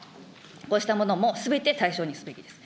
こうしたものもすべて対象にすべきです。